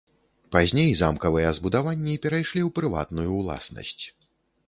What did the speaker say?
Пазней замкавыя збудаванні перайшлі ў прыватную уласнасць.